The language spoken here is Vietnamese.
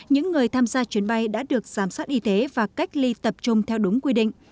những người tham gia chuyến bay đã được giám sát y tế và cách ly tập trung theo đúng quy định